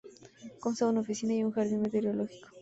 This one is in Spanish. Consta de una oficina y un jardín meteorológico.